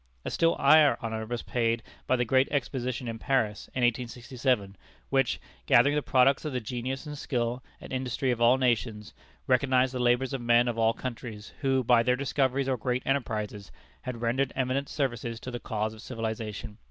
A still higher honor was paid by the Great Exposition in Paris, in 1867, which, gathering the products of the genius and skill and industry of all nations, recognized the labors of men of all countries, who, by their discoveries or great enterprises, had rendered eminent services to the cause of civilization.